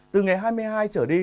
từ ngày hai mươi hai trở đi